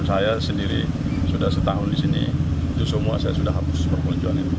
saya sendiri sudah setahun di sini itu semua saya sudah hapus perkunjuan itu